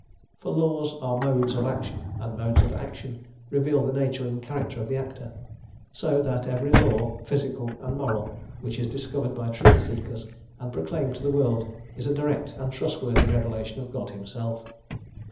For laws are modes of action, and modes of action reveal the nature and character of the actor, so that every law, physical and moral, which is discovered by truth seekers and proclaimed to the world is a direct and trustworthy revelation of God Himself.